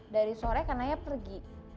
dari sore kan naya pergi